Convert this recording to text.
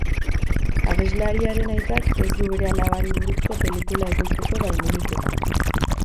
Abeslariaren aitak ez du bere alabari buruzko pelikula ekoizteko baimenik eman.